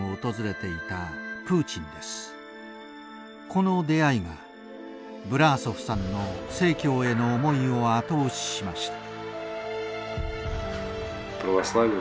この出会いがブラーソフさんの正教への思いを後押ししました。